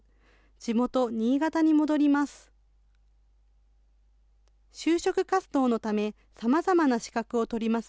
地元、新潟に戻ります。